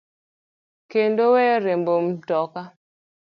kendo weyo riembo mtoka.